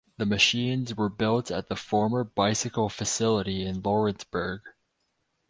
The machines were built at the former bicycle facility in Lawrenceburg.